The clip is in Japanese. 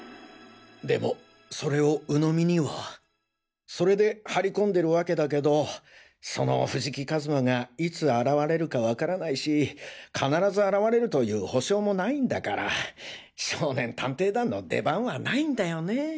でもそれを鵜呑みには。現在それで張り込んでる訳だけどその藤木一馬がいつ現れるかわからないし必ず現れるという保証もないんだから少年探偵団の出番はないんだよね。